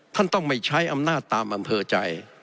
ท่านต้องไม่ใช้อำนาจตามอำเภอใจ